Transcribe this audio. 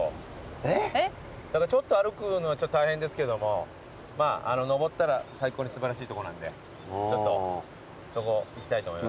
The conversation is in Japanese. だからちょっと歩くの大変ですけども上ったら最高に素晴らしいとこなんでちょっとそこ行きたいと思います。